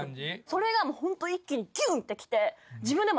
それがほんと一気にギュンってきて。